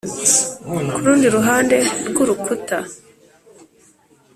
kurundi ruhande rwurukuta